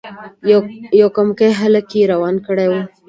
یو کمکی هلک یې روان کړی وو.